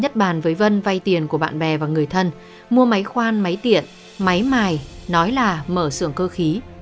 nhất bàn với vân vay tiền của bạn bè và người thân mua máy khoan máy tiện máy mài nói là mở xưởng cơ khí